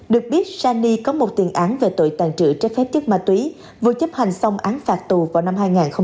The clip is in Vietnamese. được biết sa ni có một tiền án về tội tàn trự trái phép chất ma túy vô chấp hành xong án phạt tù vào năm hai nghìn một mươi chín